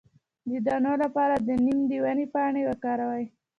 د دانو لپاره د نیم د ونې پاڼې وکاروئ